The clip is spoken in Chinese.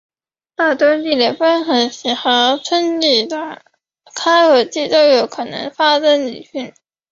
在冬季的封河期和春季的开河期都有可能发生凌汛。